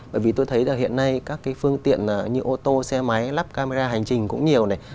bởi vì tôi thấy là hiện nay các cái phương tiện như ô tô xe máy lắp camera hành trình cũng nhiều này